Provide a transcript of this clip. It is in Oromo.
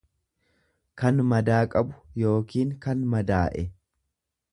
kan madaa qabu yookiin kan madaa'e.